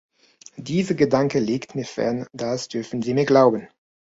Dieser Gedanke liegt mir fern, das dürfen Sie mir glauben!